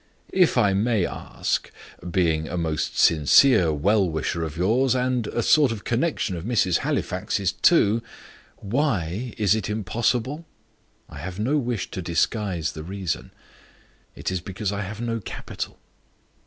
"If I may ask being a most sincere well wisher of yours, and a sort of connection of Mrs. Halifax's, too why is it impossible?" "I have no wish to disguise the reason: it is because I have no capital."